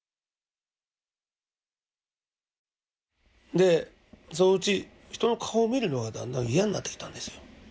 でそのうち人の顔見るのがだんだん嫌になってきたんですよ。